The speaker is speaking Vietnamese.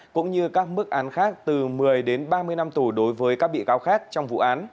cũng như các mức án khác từ một mươi đến ba mươi năm tù đối với các bị cáo khác trong vụ án